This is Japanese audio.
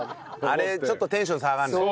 あれちょっとテンション下がんない？